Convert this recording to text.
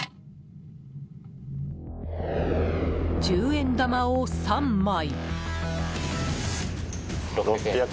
十円玉を３枚。